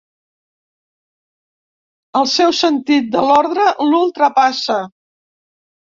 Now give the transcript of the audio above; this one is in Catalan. El seu sentit de l'ordre l'ultrapassa.